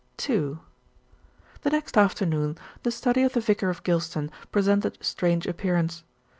II The next afternoon the study of the vicar of Gylston presented a strange appearance.